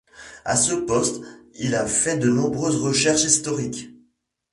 À ce poste, il a fait des nombreuses recherches historiques.